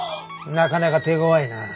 なかなか手ごわいな。